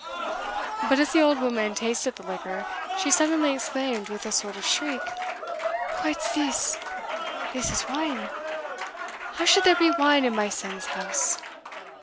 But as the old woman tasted the liquor, she suddenly exclaimed with a sort of shriek, "What's this? this is wine how should there be wine in my son's house?